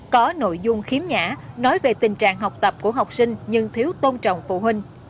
có nội dung khiếm nhã nói về tình trạng học tập của học sinh nhưng thiếu tôn trọng phụ huynh